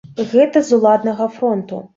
Гэта з уладнага фронту.